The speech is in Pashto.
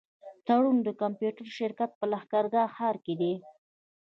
تړون کمپيوټر شرکت په لښکرګاه ښار کي دی.